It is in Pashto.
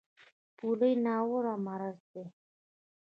پولیو ناوړه مرض دی.